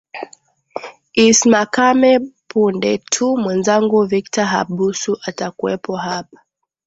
is makame punde tu mwezangu victor habusu atakuwepo hapa